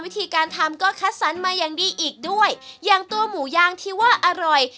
วิธีการทำก็คัดสรรมาอย่างดีอีกด้วยอย่างตัวหมูย่างที่ว่าอร่อย